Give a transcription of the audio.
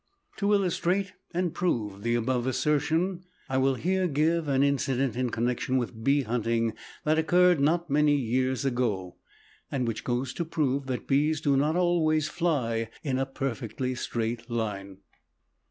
To illustrate and prove the above assertion, I will here give an incident in connection with bee hunting that occurred not many years ago, and which goes to prove that bees do not always fly in a perfectly straight line.